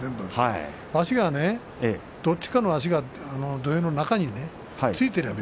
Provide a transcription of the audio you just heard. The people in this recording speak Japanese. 足がねどっちかの足が土俵の中についていれば